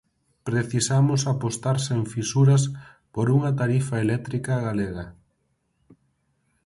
Precisamos apostar sen fisuras por unha tarifa eléctrica galega.